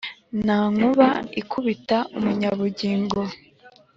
Nta nkuba ikubita umunyabugingo.